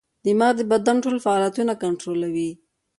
دماغ د بدن ټول فعالیتونه کنټرول کوي.